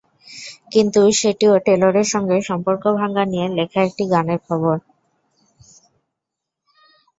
কিন্তু সেটিও টেলরের সঙ্গে সম্পর্ক ভাঙা নিয়ে লেখা একটি গানের খবর।